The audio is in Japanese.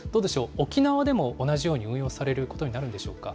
沖縄でも同じように運用されることになるんでしょうか。